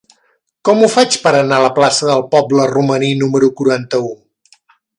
Com ho faig per anar a la plaça del Poble Romaní número quaranta-u?